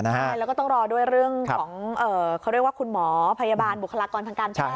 ใช่แล้วก็ต้องรอด้วยเรื่องของเขาเรียกว่าคุณหมอพยาบาลบุคลากรทางการแพท